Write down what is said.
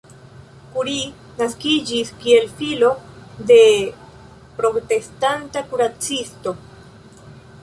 Curie naskiĝis kiel filo de protestanta kuracisto.